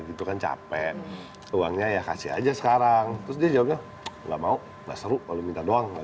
gitu kan capek uangnya ya kasih aja sekarang terus dia jawabnya nggak mau nggak seru kalau minta doang